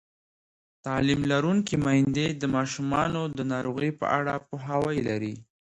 تعلیم لرونکې میندې د ماشومانو د ناروغۍ په اړه پوهاوی لري.